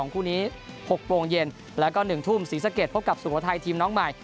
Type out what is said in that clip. คู่นี้๖โมงเย็นแล้วก็๑ทุ่มศรีสะเกดพบกับสุโขทัยทีมน้องใหม่